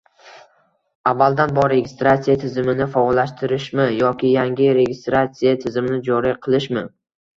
Avvaldan bor registratsiya tizimini faollashtirishmi yoki yangi registratsiya tizimini joriy qilishmi